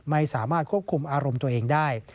ไม่สามารถควบคุมอารมณ์ตัวเองได้